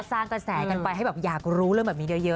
สร้างกระแสกันไปให้แบบอยากรู้เรื่องแบบนี้เยอะ